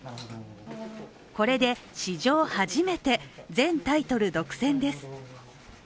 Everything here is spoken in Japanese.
これで、史上初めて全タイトル独占です。